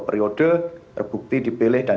periode terbukti dipeleh dan